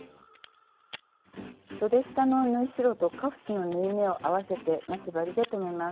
そで下の縫い代とカフスの縫い目を合わせて待ち針で留めます。